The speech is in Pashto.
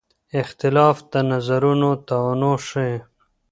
اختلاف د نظرونو تنوع ښيي.